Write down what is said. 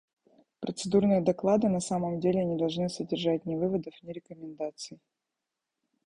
Процедурные доклады, на самом деле, не должны содержать ни выводов, ни рекомендаций.